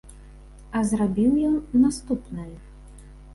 А зрабіў ён наступнае.